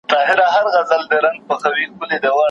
چي نه غضب د محتسب وي نه دُره د وحشت